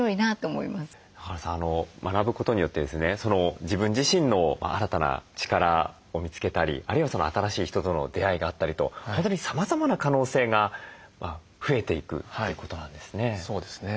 中原さん学ぶことによってですね自分自身の新たな力を見つけたりあるいは新しい人との出会いがあったりと本当にさまざまな可能性が増えていくってことなんですね。